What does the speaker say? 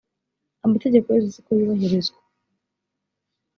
amategeko yose siko yubahirizwa.